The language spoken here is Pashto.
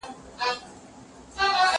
زه پرون د تکړښت لپاره ولاړم!.